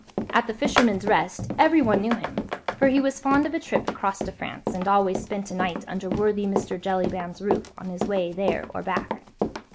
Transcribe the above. At "The Fisherman's Rest" everyone knew him—for he was fond of a trip across to France, and always spent a night under worthy Mr. Jellyband's roof on his way there or back.